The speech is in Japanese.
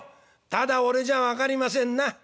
「ただ『俺』じゃ分かりませんな。